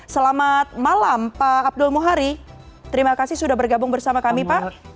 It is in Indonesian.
selamat malam pak abdul muhari terima kasih sudah bergabung bersama kami pak